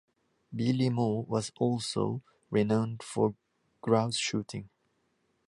Beeley Moor was also renowned for grouse shooting.